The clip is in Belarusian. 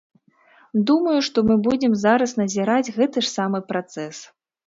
Думаю, што мы будзем зараз назіраць гэты ж самы працэс.